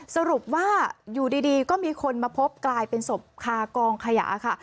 สรุปว่าอยู่ดีก็มีคนมาพบกลายเป็นศพคากองขยะค่ะ